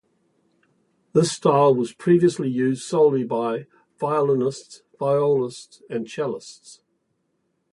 This style was previously used solely by violinists, violists and cellists.